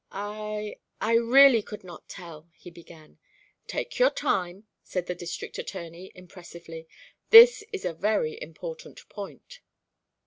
"I I really could not tell," he began. "Take your time," said the District Attorney, impressively. "This is a very important point."